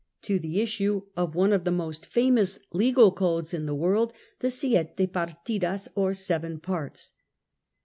to the issue of one of the most famous legal codes in the world, the Siete Partidas, or "Seven Parts."